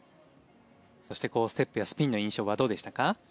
そしてステップやスピンの印象はどうでしたか？